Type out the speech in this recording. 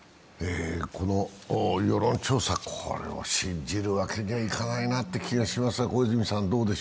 世論調査を信じるわけにはいかないなという気がしますが？